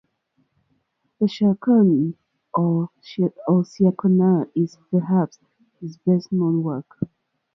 The "Chaconne" or "Ciaccona" is perhaps his best-known work.